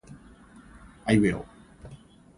aiueo